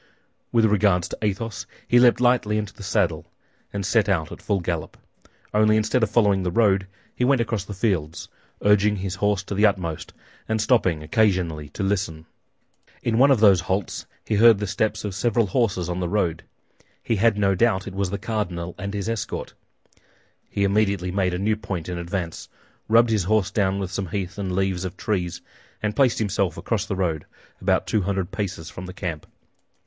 With regard to Athos, he leaped lightly into the saddle and set out at full gallop; only instead of following the road, he went across the fields, urging his horse to the utmost and stopping occasionally to listen. In one of those halts he heard the steps of several horses on the road. He had no doubt it was the cardinal and his escort. He immediately made a new point in advance, rubbed his horse down with some heath and leaves of trees, and placed himself across the road, about two hundred paces from the camp.